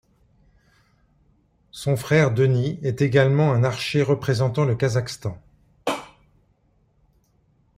Son frère, Denis, est également un archer représentant le Kazakhstan.